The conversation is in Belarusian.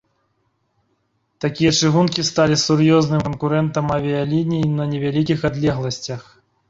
Такія чыгункі сталі сур'ёзным канкурэнтам авіяліній на невялікіх адлегласцях.